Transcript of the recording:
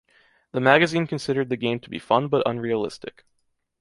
The magazine considered the game to be fun but unrealistic.